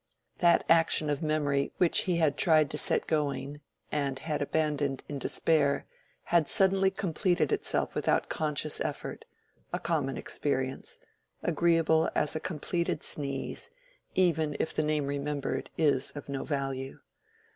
That action of memory which he had tried to set going, and had abandoned in despair, had suddenly completed itself without conscious effort—a common experience, agreeable as a completed sneeze, even if the name remembered is of no value.